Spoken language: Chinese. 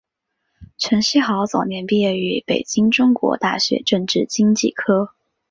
陈希豪早年毕业于北京中国大学政治经济科。